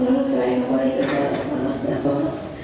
lalu saya kembali ke salatan panas datono